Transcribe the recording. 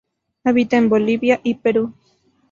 Habita en Bolivia y Perú.